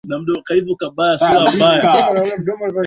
kutokana na kuwa mlima mrefu Africa